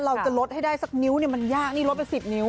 เราจะลดให้ได้สักนิ้วเนี่ยมันยากนี่ลดไป๑๐นิ้ว